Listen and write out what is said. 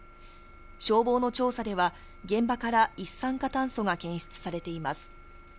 消防の調査では現場から一酸化炭素が検出されています。